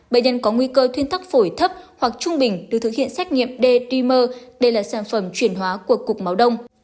bệnh nhân có nguy cơ thuyên tắc phổi thấp hoặc trung bình được thực hiện xét nghiệm d dimer đây là sản phẩm chuyển hóa của cục máu đông